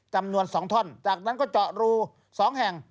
จำนวน๒ท่อนจากนั้นก็เจาะรู๒แห่ง